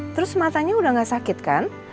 terus matanya udah gak sakit kan